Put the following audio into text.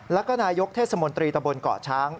แล้วก็นายกเทศมนตรีตะบนเกาะช้าง